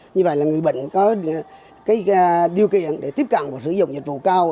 như vậy là người bệnh có điều kiện để tiếp cận và sử dụng dịch vụ cao